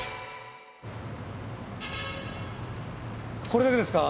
これだけですか？